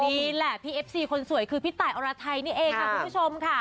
นี่แหละพี่เอฟซีคนสวยคือพี่ตายอรไทยนี่เองค่ะคุณผู้ชมค่ะ